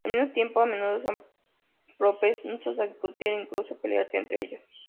Al mismo tiempo, a menudo son propensos a discutir e incluso pelearse entre ellos.